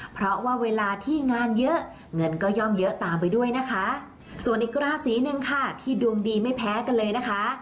เพราะว่าเวลาที่งานเยอะเงินก็ย่อมเยอะตามไปด้วยนะคะส่วนอีกราศีหนึ่งค่ะที่ดวงดีไม่แพ้กันเลยนะคะ